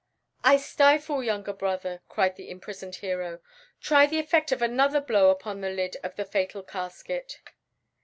"I stifle, younger brother," cried the imprisoned hero. "Try the effect of another blow upon the lid of the fatal casket."